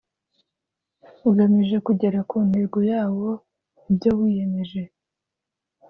ugamije kugera ku ntego yawo ibyo wiyemeje